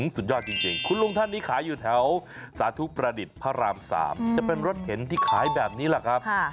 สุดยอดจริงคุณลุงท่านนี้ขายอยู่แถวสาธุประดิษฐ์พระราม๓จะเป็นรถเข็นที่ขายแบบนี้แหละครับ